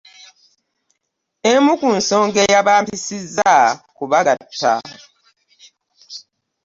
Emu ku nsonga eyabampisizza kubagatta.